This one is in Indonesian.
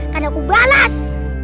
karena aku balas